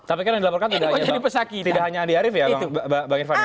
tapi kan dilaporkan tidak hanya andi arief ya bang irfan